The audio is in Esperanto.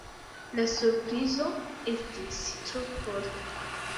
La surprizo estis tro forta.